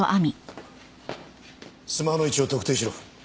スマホの位置を特定しろ。